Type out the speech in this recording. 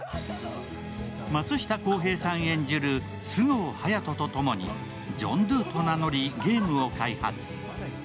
松下洸平さん演じる菅生隼人と共に、ジョンドゥと名乗りゲームを開発。